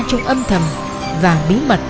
trong âm thầm và bí mật